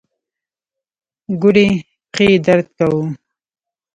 ګوډې پښې يې درد کاوه.